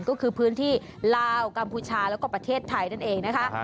ก็คือพื้นที่ลาวกัมพูชาแล้วก็ประเทศไทยนั่นเองนะคะ